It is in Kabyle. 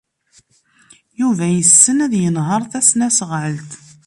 Yuba yessen ad yenheṛ tasnasɣalt.